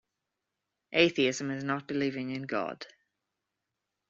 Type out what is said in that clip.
Atheism is not believing in God ...